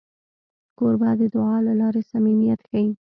کوربه د دعا له لارې صمیمیت ښيي.